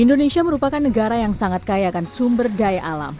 indonesia merupakan negara yang sangat kayakan sumber daya alam